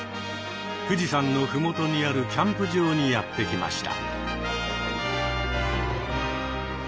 富士山の麓にあるキャンプ場にやって来ました。